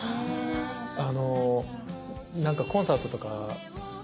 あのなんかコンサートとかね